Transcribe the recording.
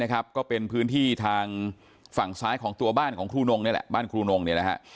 ก็เป็นพื้นที่ทางฝั่งซ้ายของตัวบ้านของครูนงนี่แหละบ้านครูนงเนี่ยนะฮะ